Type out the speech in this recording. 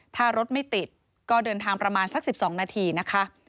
ถ้ารถไม่ติดก็เดินทางประมาณสัก๑๒นาทีนะคะ